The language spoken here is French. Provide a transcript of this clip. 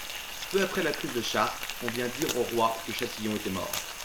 Peu après la prise de Chartres, on vint dire au roi que Châtillon était mort.